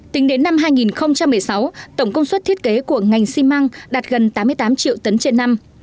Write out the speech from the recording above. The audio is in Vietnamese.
tính đến năm hai nghìn một mươi sáu tổng công suất thiết kế của ngành xi măng đạt gần tám mươi tám triệu tấn trên năm